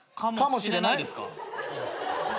かもしれないですか？